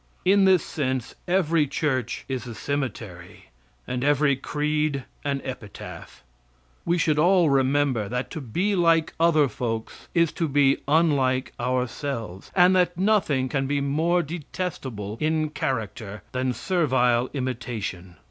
In this sense every church is a cemetery and every creed an epitaph. We should all remember that to be like other folks is to be unlike ourselves, and that nothing can be more detestable in character than servile imitation.